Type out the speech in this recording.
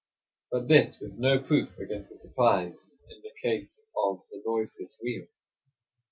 But this was no proof against a surprise in the case of the noiseless wheel.